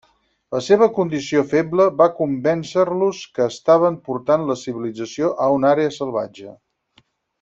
La seva condició feble va convèncer-los que estaven portant la civilització a una àrea salvatge.